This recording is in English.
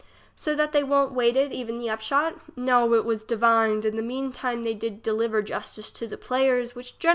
So that they won't waited even the upshot ? No, it was divined. In the mean time them did diliver justice to the players which gener aly have play very well.